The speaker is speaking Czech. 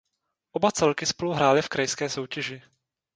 Oba celky spolu hrály v krajské soutěži.